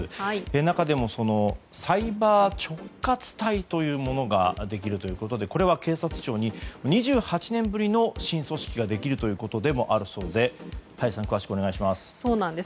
中でもサイバー直轄隊というものができるということでこれは警察庁に２８年ぶりの新組織ができるということでもあるそうで林さん、詳しくお願いします。